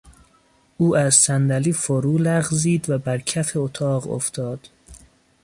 او از صندلی فرو لغزید و بر کف اتاق افتاد.